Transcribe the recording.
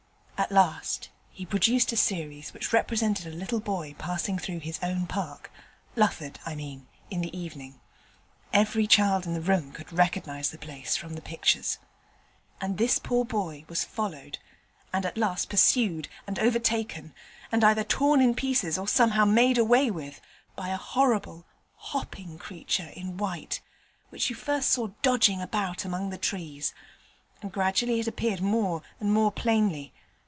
At last he produced a series which represented a little boy passing through his own park Lufford, I mean in the evening. Every child in the room could recognize the place from the pictures. And this poor boy was followed, and at last pursued and overtaken, and either torn in pieces or somehow made away with, by a horrible hopping creature in white, which you saw first dodging about among the trees, and gradually it appeared more and more plainly.